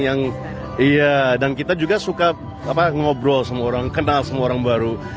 yang iya dan kita juga suka ngobrol sama orang kenal semua orang baru